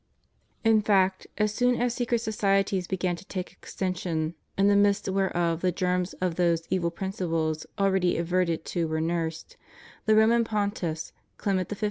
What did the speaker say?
In fact, as soon as secret societies began to take extension, in the midst whereof the germs of those evil principles already adverted to were nursed, the Roman Pontiffs Clement XV.